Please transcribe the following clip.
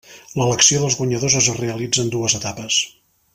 L'elecció dels guanyadors es realitza en dues etapes.